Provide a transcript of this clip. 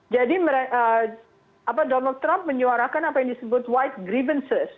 jadi donald trump menyuarakan apa yang disebut white grievances